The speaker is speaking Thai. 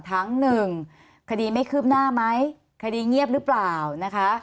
ทั้งหนึ่งคดีไม่คืบหน้าไหมคดีเงียบหรือเปล่านะคะ